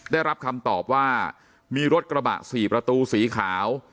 ได้รับคำตอบว่ามีรถกระบะ๔ประตูสีขาว